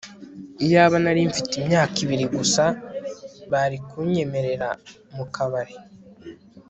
iyaba narimfite imyaka ibiri gusa, bari kunyemerera mukabari